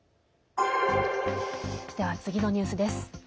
次のニュースです。